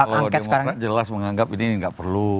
kalau demokrat jelas menganggap ini nggak perlu